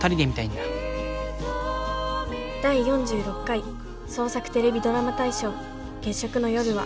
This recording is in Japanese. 第４６回創作テレビドラマ大賞「月食の夜は」。